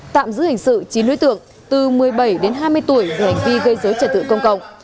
tạm giữ hình sự chín đối tượng từ một mươi bảy đến hai mươi tuổi về hành vi gây dối trật tự công cộng